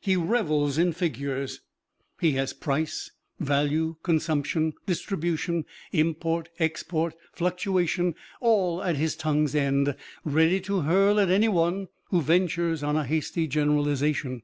He revels in figures; he has price, value, consumption, distribution, import, export, fluctuation, all at his tongue's end, ready to hurl at any one who ventures on a hasty generalization.